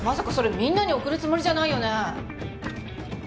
みんなに送るつもりじゃないよね